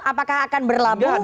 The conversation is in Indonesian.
apakah akan berlabuh